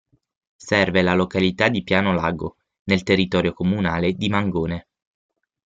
Serve la località di Piano Lago, nel territorio comunale di Mangone.